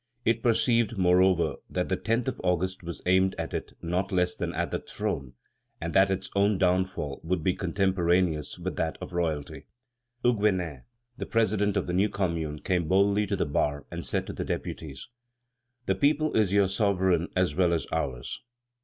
It perceived, moreover, that the 10th of August was aimed at it not less than at the throne, and that its own downfall would be contemporaneous with that of royalty. Huguenin, the president of the new Commune, came boldly to the bar, and said to the deputies: "The people is your sovereign as well as ours!"